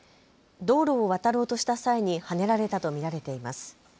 道路を渡ろうとした際にはねられたと見られています。